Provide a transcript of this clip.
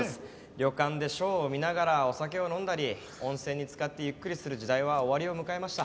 旅館でショーを見ながらお酒を飲んだり温泉に漬かってゆっくりする時代は終わりを迎えました。